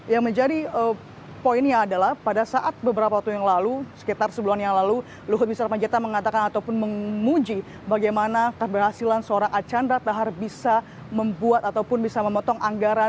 yang menjadi poinnya adalah pada saat beberapa waktu yang lalu sekitar sebulan yang lalu luhut misar panjaitan mengatakan ataupun menguji bagaimana keberhasilan seorang archandra tahar bisa membuat ataupun bisa memotong anggaran